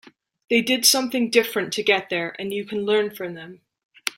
They did something different to get there and you can learn from them.